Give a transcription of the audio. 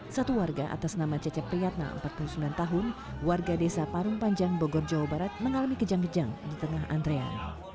satu warga atas nama cecepriyatna empat puluh sembilan tahun warga desa parung panjang bogor jawa barat mengalami kejang kejang di tengah antrean